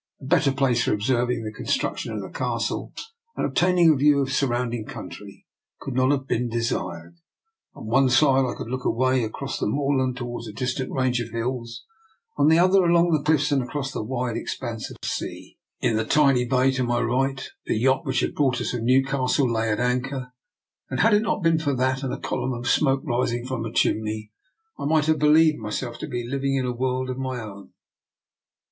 A better place for observ ing the construction of the castle, and of ob taining a view of the surrounding country, could not have been desired. On one side I could look away across the moorland towards a distant range of hills, and on the other along the cliffs and across the wide expanse of sea. DR. NIKOLA'S EXPERIMENT. 179 In the tiny bay to my right the yacht which had brought us from Newcastle lay at anchor; and had it not been for that and a column of smoke rising from a chimney, I might have believed myself to be living in a world of my own.